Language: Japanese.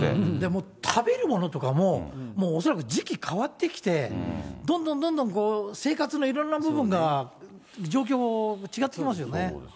もう食べるものとかも、もう恐らく時期変わってきて、どんどんどんどん生活のいろんなものが、状況違ってきますよね。